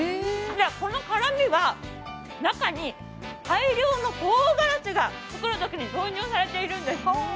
この辛みは中に大量のとうがらしが作るときに投入されているんです。